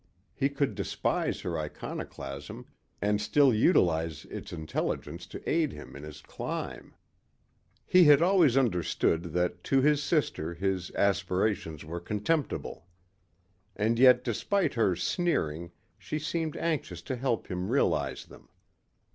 He could despise her iconoclasm and still utilize its intelligence to aid him in his climb. He had always understood that to his sister his aspirations were contemptible. And yet despite her sneering she seemed anxious to help him realize them.